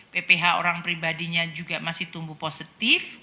pph orang pribadinya juga masih tumbuh positif